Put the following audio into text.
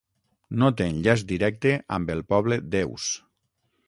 No té enllaç directe amb el poble d'Eus.